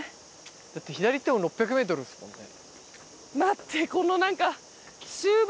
だって左行っても６００メートルですもんね。